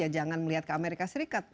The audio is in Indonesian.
jangan melihat ke amerika serikat